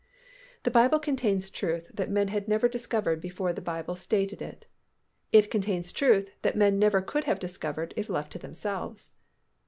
The Bible contains truth that men had never discovered before the Bible stated it. It contains truth that men never could have discovered if left to themselves.